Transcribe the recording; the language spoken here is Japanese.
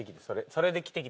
それで着てきて。